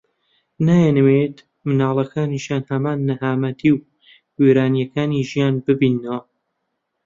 نایانەوێت منداڵەکانیشیان هەمان نەهامەتی و وێرانەییەکانی ژیان ببیننەوە